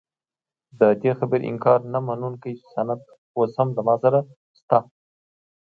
دې خبرې انکار نه منونکی سند اوس هم له ما سره شته.